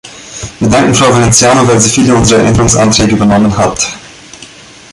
Wir danken Frau Valenciano, weil sie viele unserer Änderungsanträge übernommen hat.